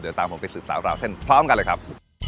เดี๋ยวตามผมไปสืบสาวราวเส้นพร้อมกันเลยครับ